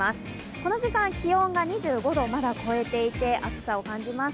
この時間、気温が２５度をまだ超えていて暑さを感じます。